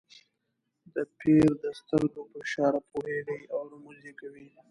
د پیر د سترګو په اشاره پوهېږي او رموز یې کوي.